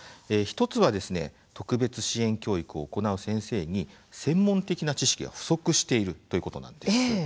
１つは特別支援教育を行う先生に専門的な知識が不足しているということです。